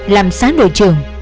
làm xã đội trưởng